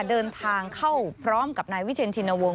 เดินทางเข้าพร้อมกับนายวิเชียนชินวงศ